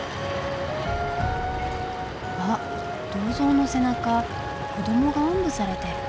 あ銅像の背中子どもがおんぶされてる。